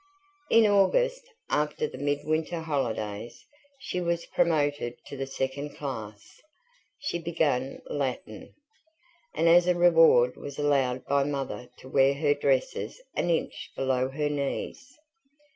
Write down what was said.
In August, after the midwinter holidays, she was promoted to the second class; she began Latin; and as a reward was allowed by Mother to wear her dresses an inch below her knees.